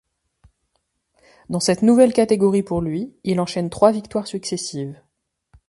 Dans cette nouvelle catégorie pour lui, il enchaîne trois victoires successives.